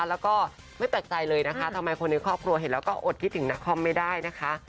แล้วก็ไม่แปลกใจเลยนะคะทำไมคนในครอบครัวเห็นแล้วก็อดคิดถึงนักคอมไม่ได้นะคะ